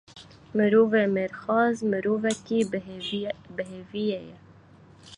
Mirovê mêrxas mirovekî bêhêvî ye.